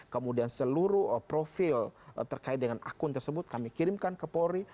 kemudian seluruh profil terkait dengan akun tersebut kami kirimkan ke polri